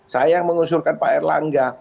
saya yang mengusurkan pak erlangga